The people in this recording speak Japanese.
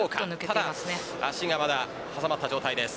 ただ足がまだ挟まった状態です。